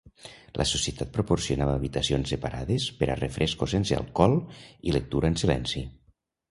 La societat proporcionava habitacions separades per a refrescos sense alcohol i lectura en silenci.